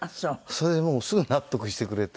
それでもうすぐ納得してくれて。